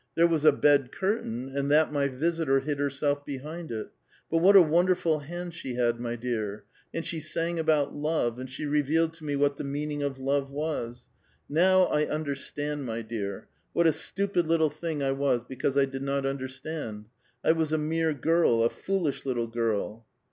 There was a bed curtain, and that my ' visitor ' hid herself behind it ; but what a wonderful hand she had, m}^ dear ; and she sang about love, and she revealed to me what the meaning of love was : now, I understand, my dear. What a stupid little thing I was be cause I did not understand ; I was a mere girl, a foolish lit tle girl."